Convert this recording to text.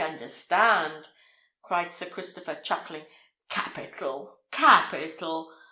I understand!" cried Sir Christopher, chuckling. "Capital! capital!